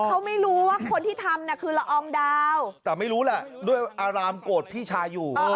เขาไม่รู้ว่าคนที่ทำน่ะคือละอองดาวแต่ไม่รู้แหละด้วยอารามโกรธพี่ชายอยู่